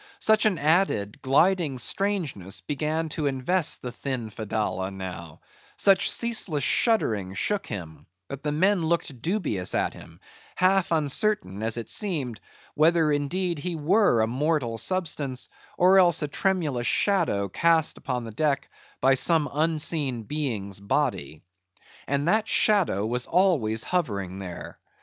Such an added, gliding strangeness began to invest the thin Fedallah now; such ceaseless shudderings shook him; that the men looked dubious at him; half uncertain, as it seemed, whether indeed he were a mortal substance, or else a tremulous shadow cast upon the deck by some unseen being's body. And that shadow was always hovering there.